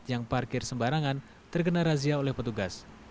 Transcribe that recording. yang parkir sembarangan terkena razia oleh petugas